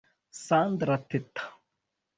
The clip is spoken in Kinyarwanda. Sandra Teta